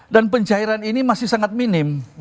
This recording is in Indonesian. dan pencairan ini masih sangat minim